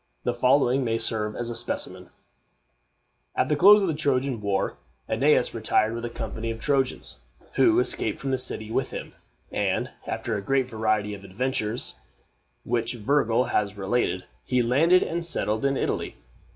The following may serve as a specimen: At the close of the Trojan war, Æneas retired with a company of Trojans, who escaped from the city with him, and, after a great variety of adventures, which Virgil has related, he landed and settled in Italy.